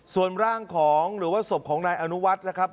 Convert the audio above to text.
ส่วนร่างของหรือว่าศพของนายอนุวัฒน์นะครับ